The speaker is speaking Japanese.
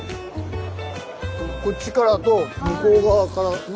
こっちからと向こう側からの。